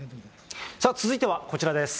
続いてはこちらです。